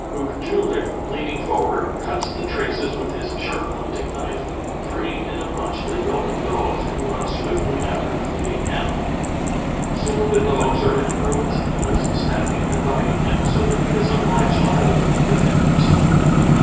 Ook joo hk leaning forward cuts the traces with his sharp hunting knife, freeing in a bunch the yelping dogs who run swiftly after the fleeing animal. Soon the dogs are at bruin's heels, snapping and biting him so that he is obHged to halt and defend himself.